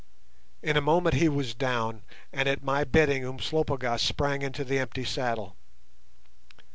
In a moment he was down, and at my bidding Umslopogaas sprang into the empty saddle.